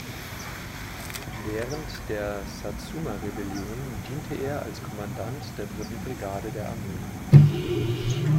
Während der Satsuma-Rebellion diente er als Kommandant der dritten Brigade der Armee.